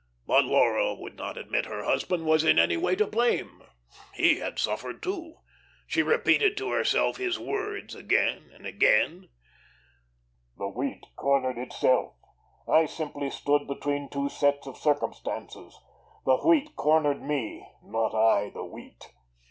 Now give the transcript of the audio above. But Laura would not admit her husband was in any way to blame. He had suffered, too. She repeated to herself his words, again and again: "The wheat cornered itself. I simply stood between two sets of circumstances. The wheat cornered me, not I the wheat."